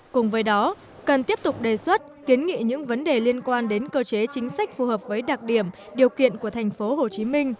cùng với đó cần tiếp tục đề xuất kiến nghị những vấn đề liên quan đến cơ chế chính sách phù hợp với đặc điểm điều kiện của tp hcm